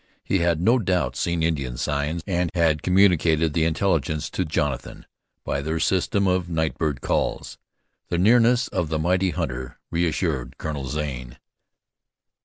He had no doubt seen Indian signs, and had communicated the intelligence to Jonathan by their system of night bird calls. The nearness of the mighty hunter reassured Colonel Zane.